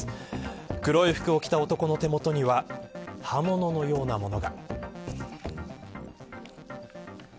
黒い服を着た男の手元には刃物のようなものが。